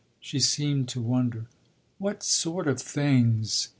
She seemed to wonder. "What sort of things?"